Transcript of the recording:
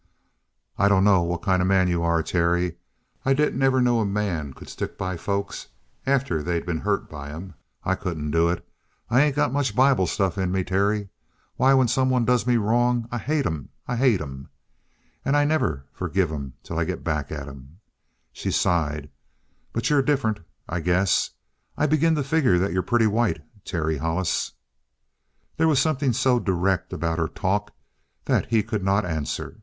"I dunno what kind of a man you are, Terry. I didn't ever know a man could stick by folks after they'd been hurt by 'em. I couldn't do it. I ain't got much Bible stuff in me, Terry. Why, when somebody does me a wrong, I hate 'em I hate 'em! And I never forgive 'em till I get back at 'em." She sighed. "But you're different, I guess. I begin to figure that you're pretty white, Terry Hollis." There was something so direct about her talk that he could not answer.